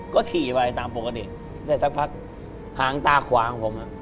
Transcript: ก็ขี่ไปตามปกติได้สักพักหางตาขวางของผม